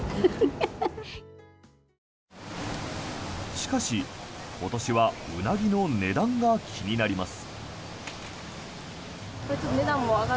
しかし、今年はウナギの値段が気になります。